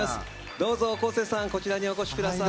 どうぞ、こうせつさんこちらにお越しください。